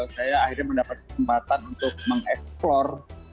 saya akhirnya mendapat kesempatan untuk mengeksplor